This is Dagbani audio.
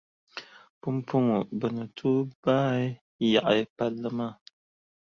Pumpɔŋɔ bɛ ni tooi baai yaɣi palli maa.